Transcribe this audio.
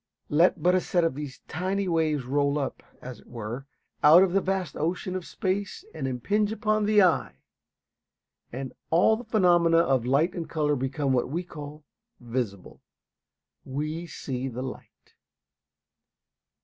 Let but a set of these tiny waves roll up, as it were, out of the vast ocean of space and impinge upon the eye, and all the phenomena of light and color become what we call "visible." We see the light.